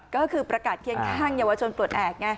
ก็คือประกาศเคียงข้างเยาวชนปลดแอบไง